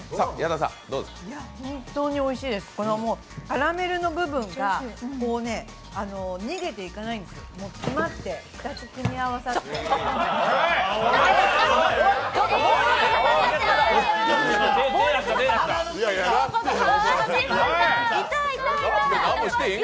本当においしいです、カラメルの部分がもうね、逃げていかないんです、詰まって、２つ組み合わさって痛いよ